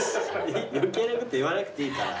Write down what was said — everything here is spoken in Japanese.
余計なこと言わなくていいから。